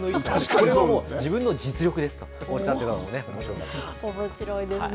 これも自分の実力ですとおっしゃおもしろいですね。